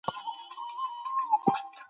موږ په انټرنیټ کې د نړۍ له مهمو پېښو خبریږو.